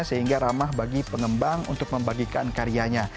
sehingga ramah bagi pengembang untuk membagikan karyanya